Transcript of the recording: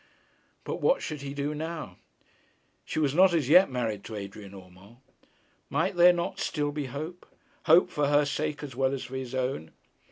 But what should he do now? She was not as yet married to Adrian Urmand. Might there not still be hope; hope for her sake as well as for his own?